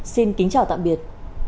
xin kính chào tạm biệt